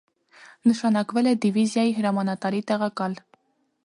Նշանակվել է դիվիզիայի հրամանատարի տեղակալ։